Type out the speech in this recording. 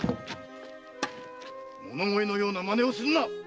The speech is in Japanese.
物乞いのような真似をするな！